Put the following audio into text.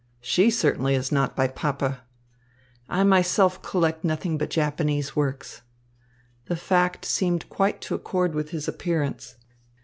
She certainly is not by Pappe. I myself collect nothing but Japanese works." The fact seemed quite to accord with his appearance.